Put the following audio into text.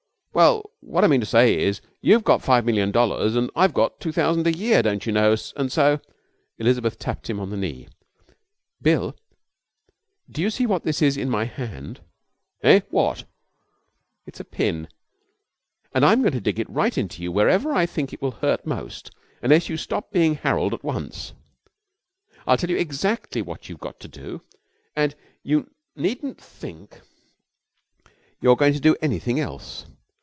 'Well, what I mean to say is, you've got five million dollars and I've got two thousand a year, don't you know, and so ' Elizabeth tapped him on the knee. 'Bill, do you see what this is in my hand?' 'Eh? What?' 'It's a pin. And I'm going to dig it right into you wherever I think it will hurt most, unless you stop being Harold at once. I'll tell you exactly what you've got to do, and you needn't think you're going to do anything else.